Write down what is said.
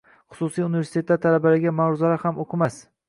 Xususiy universitetlar talabalariga ma’ruzalar ham o‘qimas?